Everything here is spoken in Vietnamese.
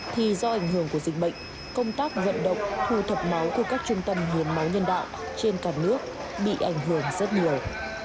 thì do ảnh hưởng của dịch bệnh công tác vận động thu thập máu của các trung tâm hiến máu nhân đạo trên cả nước bị ảnh hưởng rất nhiều